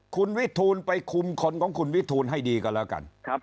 คุณวิทูลไปคุมคนของคุณวิทูลให้ดีก็แล้วกัน